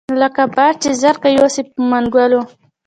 لکه باز چې زرکه یوسي په منګلو